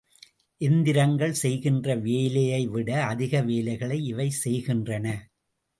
எந்திரங்கள் செய்கின்ற வேலையை விட, அதிக வேலைகளை இவை செய்கின்றன.